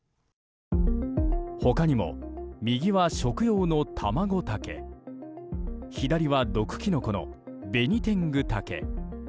他にも、右は食用のタマゴタケ左は毒キノコのベニテングタケ。